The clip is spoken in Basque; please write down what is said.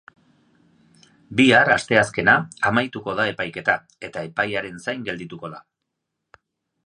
Bihar, asteazkena, amaituko da epaiketa, eta epaiaren zain geldituko da.